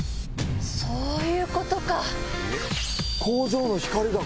そういうことか！